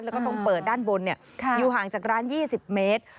แล้วก็ตรงเปิดด้านบนอยู่ห่างจากร้าน๒๐เมตร